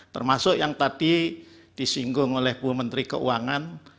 termasuk yang tadi disinggung oleh bu menteri keuangan